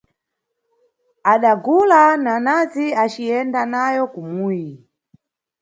Adagula nanazi aciyenda nayo kumuyi.